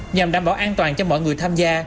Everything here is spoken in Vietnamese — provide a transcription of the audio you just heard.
nhằm đảm bảo an toàn cho mọi người tham gia